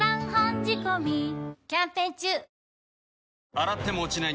洗っても落ちない